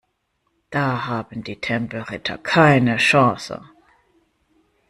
Da haben die Tempelritter keine Chance.